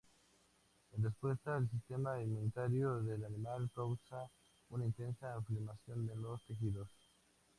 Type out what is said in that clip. En respuesta, el sistema inmunitario del animal causa una intensa inflamación en los tejidos.